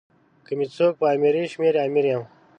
که می څوک په امیری شمېري امیر یم.